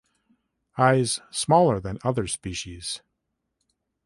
Eyes smaller than other species.